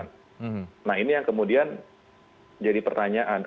nah ini yang kemudian jadi pertanyaan